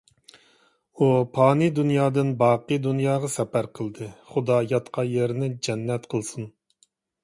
ئۇ پانىي دۇنيادىن باقىي دۇنياغا سەپەر قىلدى. خۇدا ياتقان يېرىنى جەننەت قىلسۇن.